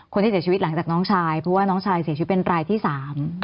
คนที่เสียชีวิตหลังจากน้องชายเพราะว่าน้องชายเสียชีวิตเป็นรายที่สาม